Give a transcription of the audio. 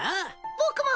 僕も。